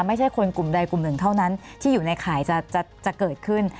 ไม่ใช่คนกลุ่มใดกลุ่มหนึ่งเท่านั้นที่อยู่ในข่ายจะเกิดขึ้น